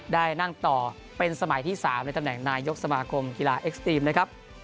ได้นั่งต่อเป็นสมัยที่๓ในตำแหน่งนายกสมาคมกีฬาเอ็กซ์ตรีมนะครับ